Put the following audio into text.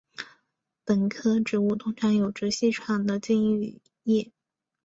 本科植物通常有着细长的茎与叶。